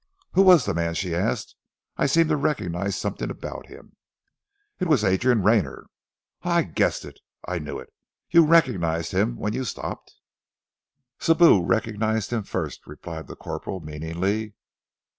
"Who was the man?" she asked. "I seemed to recognize something about him." "It was Adrian Rayner." "Ah, I guessed it! I knew it! You recognized him when you stopped?" "Sibou recognized him first," replied the corporal meaningly.